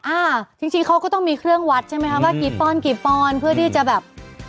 อ่าจริงจริงเขาก็ต้องมีเครื่องวัดใช่ไหมคะว่ากี่ปอนกี่ปอนด์เพื่อที่จะแบบ